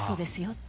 って。